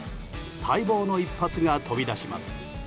待望の一発が飛び出します。